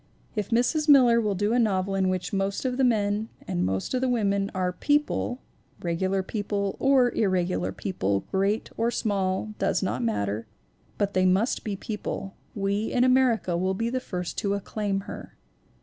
If Mrs. Miller will do a novel in which most of the men and most of the women are "peo ple" regular people or irregular people, great or ALICE DUER MILLER 325 small, does not matter; but they must be people we in America will be the first to acclaim her.